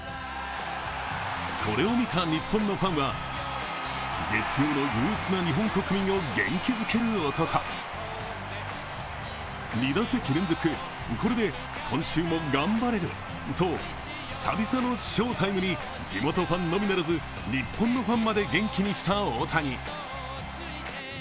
これを見た日本のファンは、月曜の憂鬱な日本国民を元気づける男、２打席連続、これで今週も頑張れると久々の翔タイムに地元ファンのみならず日本のファンまで元気にした大谷。